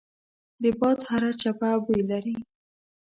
د باد هره چپه بوی لري